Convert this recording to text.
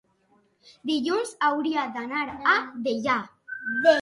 Dilluns hauria d'anar a Deià.